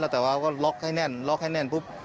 เราแต่ว่าก็ล็อกให้แน่นปุ๊บ